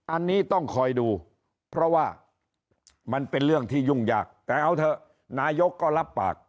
อันนี้ต้องคอยดูเพราะว่ามันเป็นเรื่องที่ยุ่งยากแต่เอาเถอะนายกก็รับปาก